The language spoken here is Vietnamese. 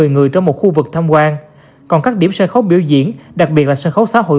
một mươi người trong một khu vực tham quan còn các điểm sân khấu biểu diễn đặc biệt là sân khấu xã hội